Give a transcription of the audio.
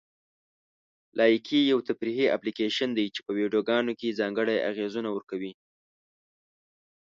لایکي یو تفریحي اپلیکیشن دی چې په ویډیوګانو کې ځانګړي اغېزونه ورکوي.